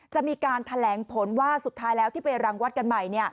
จะมีการแถลงผลว่าสุดท้ายแล้วที่ไปรังวัดกันใหม่